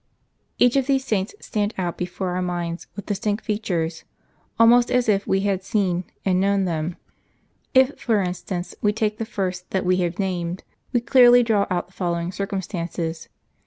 Each of these saints stands out before our minds with distinct features ; almost as if we had seen and known them. If, for instance, we take the first that we have named, we clearly draw out the following circumstances.